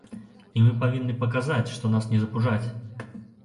І мы павінны паказаць, што нас не запужаць.